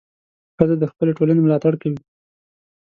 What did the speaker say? ښځه د خپلې ټولنې ملاتړ کوي.